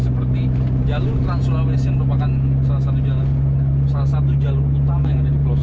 seperti jalur trans sulawesi yang merupakan salah satu jalur utama yang ada di pelosok